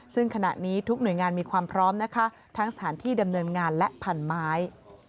ซึ่งขณะนี้ทุกหน่วยงานมีความพร้อมนะคะทั้งสถานที่ดำเนินงานและพันไม้